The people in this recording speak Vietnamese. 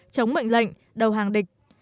chống mệnh lệnh đầu hàng địch